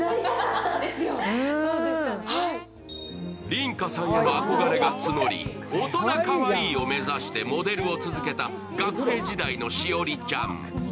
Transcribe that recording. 梨花さんへの憧れが募り大人かわいいを目指してモデルを続けた学生時代の栞里ちゃん。